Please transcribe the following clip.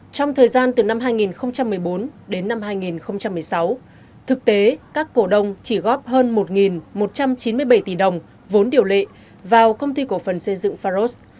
trong thời gian từ năm hai nghìn một mươi bốn đến năm hai nghìn một mươi sáu thực tế các cổ đồng chỉ góp hơn một một trăm chín mươi bảy tỷ đồng vốn điều lệ vào công ty cổ phần xây dựng pharos